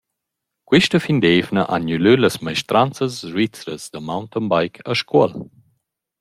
Quista fin d’eivna han gnü lö las maestranzas svizras da mountainbike a Scuol.